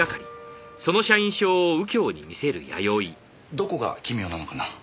どこが奇妙なのかな？